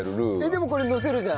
でもこれのせるじゃん？